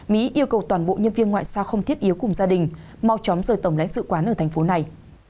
mỹ yêu cầu toàn bộ nhân viên ngoại sao không thiết yếu cùng gia đình mau chóng rời tổng lãnh sự quán ở thành phố này